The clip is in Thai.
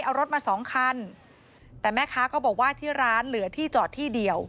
เอารถมาสองคันแต่แม่ค้าก็บอกว่าที่ร้านเหลือที่จอดที่เดียว